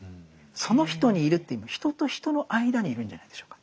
その人にいるというよりも人と人の間にいるんじゃないでしょうか。